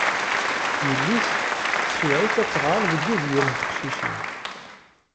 Yelli-s tceyyeɛ-itt ad tɣer deg udyir n teqcicin.